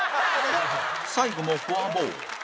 最後もフォアボール